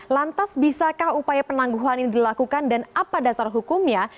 lantas bisakah upaya penangguhan ini dilakukan dan apa dasar hukumnya